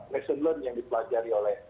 maxon learned yang dipelajari oleh